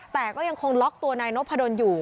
แต่ก็ยังคงล็อกตัวนายนพดลอยู่